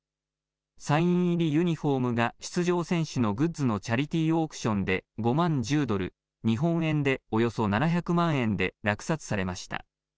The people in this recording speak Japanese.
サイン入りユニフォームが出場選手のグッズのチャリティーオークションで５万１０ドル、日本円でおよそ７００万円で落札されました。